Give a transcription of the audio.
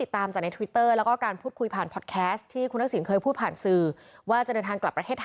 ต้องดูอีกทีด้วยนะคะ